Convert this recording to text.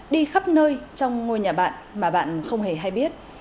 đi khắp nơi trong ngôi nhà bạn mà bạn không hề hay biết